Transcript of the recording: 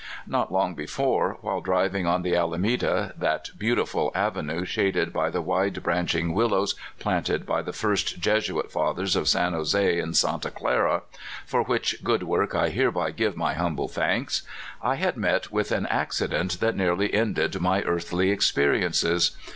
Not long before, while driving on the Ala meda — that beautiful avenue, shaded b} the w^ide branching willows planted by the first Jesuit fathers of San Jose and Santa Clara, for which good work 1 hereby give my humble thanks — I had met with an accident that nearly ended my earthly experiences.